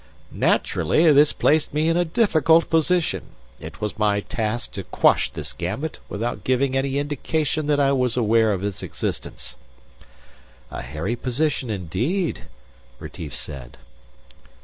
"Naturally, this placed me in a difficult position. It was my task to quash this gambit, without giving any indication that I was aware of its existence." "A hairy position indeed," Retief said.